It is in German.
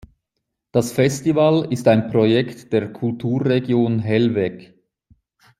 Das Festival ist ein Projekt der Kulturregion Hellweg.